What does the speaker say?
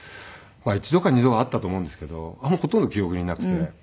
一度か二度はあったと思うんですけどほとんど記憶になくて。